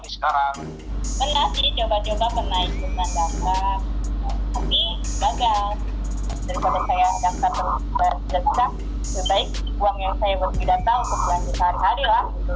lebih baik uang yang saya beri data untuk pelan pelan hari hari lah